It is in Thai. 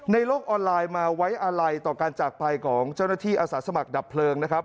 โลกออนไลน์มาไว้อะไรต่อการจากไปของเจ้าหน้าที่อาสาสมัครดับเพลิงนะครับ